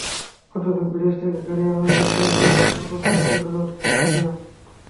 অথচ, বিদেশ থেকে গাড়ি আনার জন্য এদের শুল্ক ছাড়ও দেওয়া হচ্ছে।